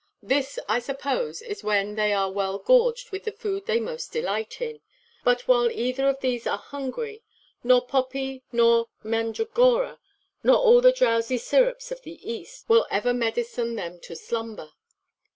This, I suppose, is when they are well gorged with the food they most delight in; but, while either of these are hungry, Nor poppy, nor mandragora, Nor all the drousy syrups of the East, Will ever medicine them to slumber.